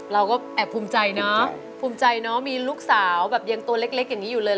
เราก็แอบภูมิใจเนอะภูมิใจเนอะมีลูกสาวแบบยังตัวเล็กอย่างนี้อยู่เลย